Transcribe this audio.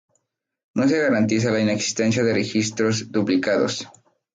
No se garantiza la inexistencia de registros duplicados.